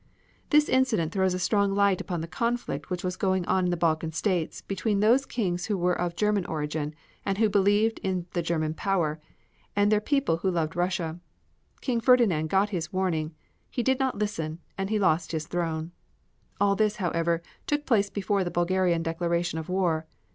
This incident throws a strong light upon the conflict which was going on in the Balkan states, between those Kings who were of German origin, and who believed in the German power, and their people who loved Russia. King Ferdinand got his warning. He did not listen, and he lost his throne. All this, however, took place before the Bulgarian declaration of war.